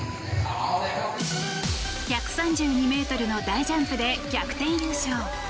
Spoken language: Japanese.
１３２ｍの大ジャンプで逆転優勝。